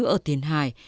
ở tiền hải